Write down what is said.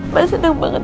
mbak seneng banget